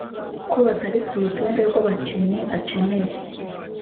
ko batari ku rutonde rw'abakinyi akeneye